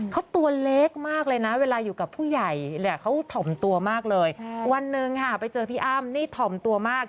เขาตัวเล็กมากเลยนะเวลาอยู่กับผู้ใหญ่เนี่ยเขาถ่อมตัวมากเลยวันหนึ่งค่ะไปเจอพี่อ้ำนี่ถ่อมตัวมาก